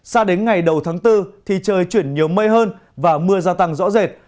sao đến ngày đầu tháng bốn thì trời chuyển nhiều mây hơn và mưa gia tăng rõ rệt